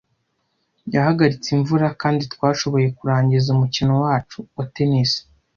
Yahagaritse imvura kandi twashoboye kurangiza umukino wacu wa tennis.